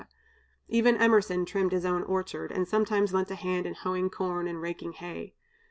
Even Emerson trimmed his own orchard, and sometimes lent a hand in hoeing corn and raking hay.